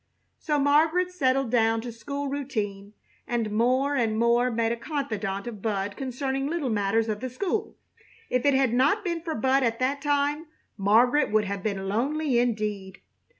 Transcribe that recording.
So Margaret settled down to school routine, and more and more made a confidant of Bud concerning little matters of the school. If it had not been for Bud at that time Margaret would have been lonely indeed.